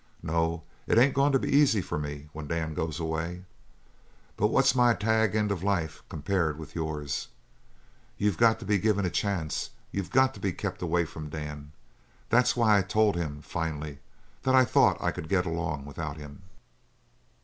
No, it ain't goin' to be easy for me when Dan goes away. But what's my tag end of life compared with yours? You got to be given a chance; you got to be kept away from Dan. That's why I told him, finally, that I thought I could get along without him."